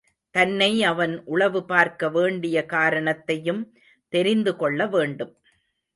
தன்னை அவன் உளவு பார்க்க வேண்டிய காரணத்தையும் தெரிந்துகொள்ள வேண்டும்.